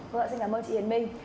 vâng xin cảm ơn chị yến minh